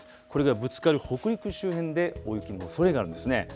これがぶつかる北陸周辺で大雪のおそれがあるんですね。